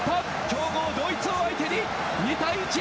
強豪ドイツを相手に２対１。